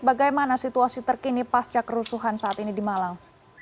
bagaimana situasi terkini pasca kerusuhan saat ini di malang